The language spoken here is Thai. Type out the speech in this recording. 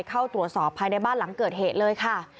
เข้าตรวจสอบภายในบ้านหลังเกิดเหตุเลยค่ะ